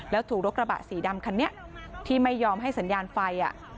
แล้วถูกโรคระบาสสี่ดำคันเนี้ยที่ไม่ยอมให้สัญญาณไฟอ่ะ